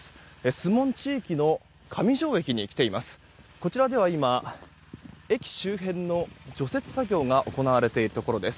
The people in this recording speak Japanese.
守門地域の上条駅に来ています。